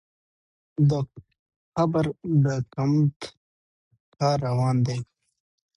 د قبر د ګمبد کار روان دی.